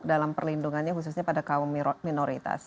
dalam perlindungannya khususnya pada kaum minoritas